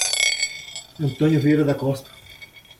Antônio Vieira da Costa